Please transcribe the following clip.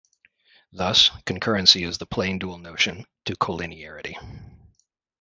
Thus, concurrency is the plane dual notion to collinearity.